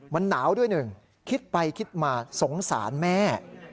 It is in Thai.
มันหนาวด้วยหนึ่งคิดไปคิดมาสงสารแม่